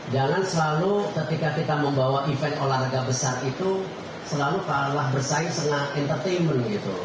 jangan selalu ketika kita membawa event olahraga besar itu selalu kalah bersaing setengah entertainment gitu